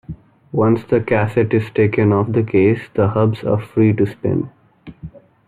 Once the cassette is taken off the case, the hubs are free to spin.